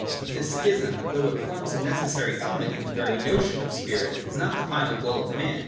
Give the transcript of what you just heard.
But this schism, though it forms a necessary element in the very notion of spirit, is not the final goal of man.